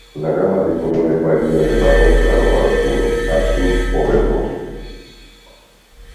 La gama de colores varía del marrón claro al oscuro, azul, o verdoso.